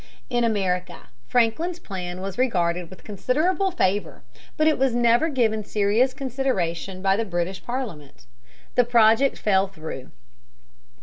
In America Franklin's plan was regarded with considerable favor, but it was never given serious consideration by the British Parliament. The project fell through.